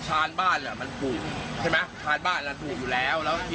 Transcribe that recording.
ชานบ้านที่มันถูกใช่ไหมช้านบ้านมันถูกอยู่แล้ว